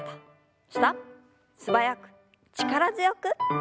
素早く力強く。